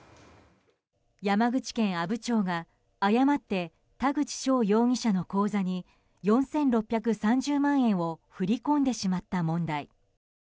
山口県阿武町が誤って田口翔容疑者の口座に４６３０万円を振り込んでしまった問題。